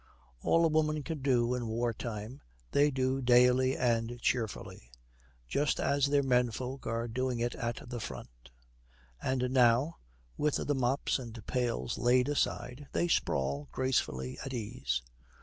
All a woman can do in war time they do daily and cheerfully. Just as their men folk are doing it at the Front; and now, with the mops and pails laid aside, they sprawl gracefully at ease.